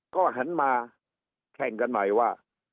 ก็หันมาแข่งกันใหม่ว่า